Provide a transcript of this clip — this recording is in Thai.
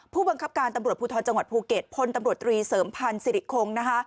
ผู้บังคับการตำรวจภูทรจังหวัดภูเก็ตพลตำรวจตรีเสริมพันธ์สิริคงนะคะ